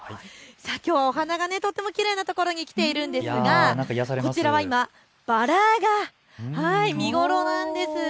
きょうはお花がとってもきれいなところに来ているんですがこちらは今、バラが見頃を迎えているんです。